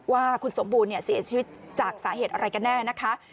ว่าคุณสมบูรณ์เสียชีวิตจากสาเหตุอะไรกันแน่นะคะ